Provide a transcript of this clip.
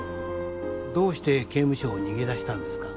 どうして刑務所を逃げ出したんですか？